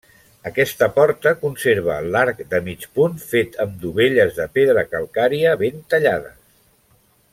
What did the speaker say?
Aquesta porta conserva l'arc de mig punt fet amb dovelles de pedra calcària, ben tallades.